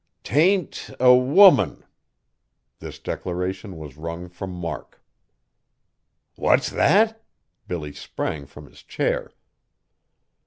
"'T ain't a woman!" This declaration was wrung from Mark. "What's that?" Billy sprang from his chair.